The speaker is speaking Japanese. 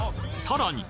さらに！